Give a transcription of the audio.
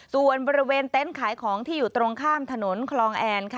ส่วนบริเวณเต็นต์ขายของที่อยู่ตรงข้ามถนนคลองแอนค่ะ